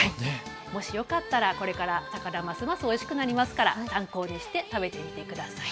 もしよかったら、これから魚がますますおいしくなりますから参考にして食べてみてください。